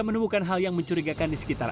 menemukan hal yang mencurigakan di sekitar